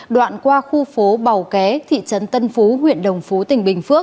đoạn qua khu phố bào ké thị trấn tân phú huyện đồng phú tỉnh bình phước